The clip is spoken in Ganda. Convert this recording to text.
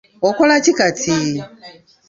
Okola ki kati?